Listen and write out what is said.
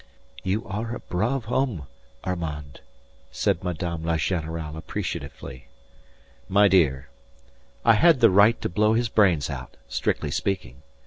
"You are a brave homme, Armand," said Madame la Générale appreciatively. "My dear, I had the right to blow his brains out strictly speaking.